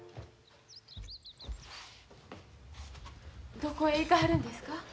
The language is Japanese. どこへ行かはるんですか？